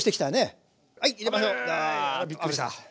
びっくりした！